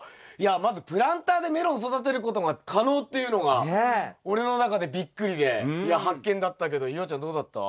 まずプランターでメロン育てることが可能っていうのが俺の中でびっくりで発見だったけど夕空ちゃんどうだった？